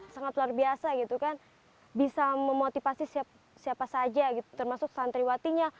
sangat luar biasa gitu kan bisa memotivasi siapa saja termasuk santriwatinya